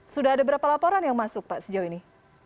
sudah ada berapa laporan yang masuk pak sejauh ini